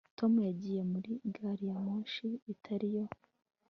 Tom yagiye muri gari ya moshi itari yo